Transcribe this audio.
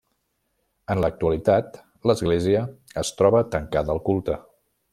En l'actualitat l'església, es troba tancada al culte.